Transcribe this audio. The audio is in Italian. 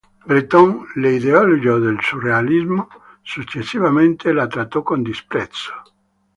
Breton, l'"ideologo del surrealismo", successivamente la trattò con disprezzo.